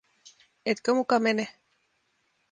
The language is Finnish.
Etkö muka mene?